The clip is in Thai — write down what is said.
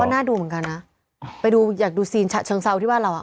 น่าดูเหมือนกันนะไปดูอยากดูซีนฉะเชิงเซาที่บ้านเราอ่ะ